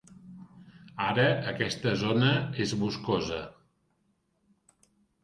Ara, aquesta zona és boscosa.